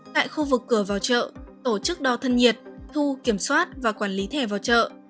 tại khu vực cửa vào chợ tổ chức đo thân nhiệt thu kiểm soát và quản lý thẻ vào chợ